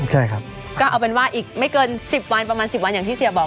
ใช่ครับก็เอาเป็นว่าอีกไม่เกิน๑๐วันประมาณ๑๐วันอย่างที่เสียบอก